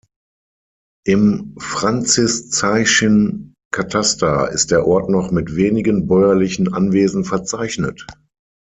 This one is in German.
Im franziszeischen Kataster ist der Ort noch mit wenigen bäuerlichen Anwesen verzeichnet.